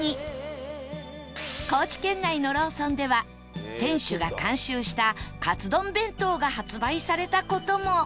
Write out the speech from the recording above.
高知県内のローソンでは店主が監修したかつ丼弁当が発売された事も